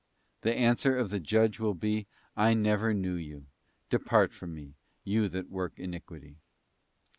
The answer of the Judge will be, 'I never knew you; depart from Me, you that work iniquity.